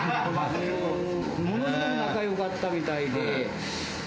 ものすごく仲が良かったみたいで。